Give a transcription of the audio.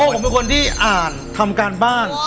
ผมเป็นคนที่อ่านทำการบ้าน